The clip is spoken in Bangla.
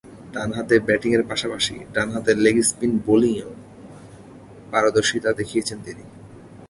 ডানহাতে ব্যাটিংয়ের পাশাপাশি ডানহাতে লেগ স্পিন বোলিংয়ে পারদর্শিতা দেখিয়েছেন তিনি।